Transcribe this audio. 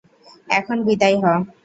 এখন বিদায় হ।